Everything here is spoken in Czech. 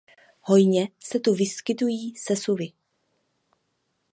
Hojně se tu vyskytují sesuvy.